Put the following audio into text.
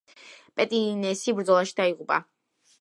პეტინესი ბრძოლაში დაიღუპა.